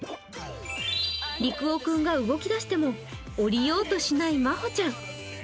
リクオ君が動きだしても降りようとしないまほちゃん。